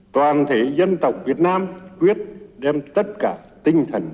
toàn thể dân tộc việt nam quyết đem tất cả tinh thần